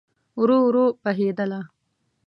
ورو، ورو بهیدله